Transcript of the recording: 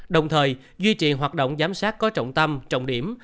đồng thời duy trì hoạt động giám sát có trọng tâm trọng điểm